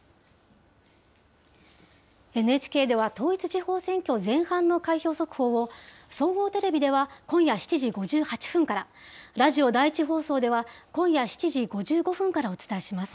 ＮＨＫでは統一地方選挙前半の開票速報を、総合テレビでは今夜７時５８分から、ラジオ第１放送では今夜７時５５分からお伝えします。